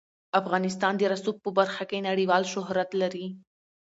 افغانستان د رسوب په برخه کې نړیوال شهرت لري.